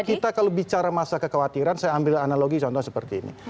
kita kalau bicara masa kekhawatiran saya ambil analogi contoh seperti ini